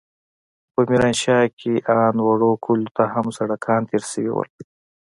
خو په ميرانشاه کښې ان وړو کليو ته هم سړکان تېر سوي وو.